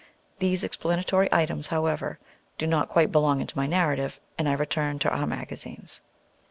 These explanatory items, however, do not quite belong to my narrative, and I return to our magazines.)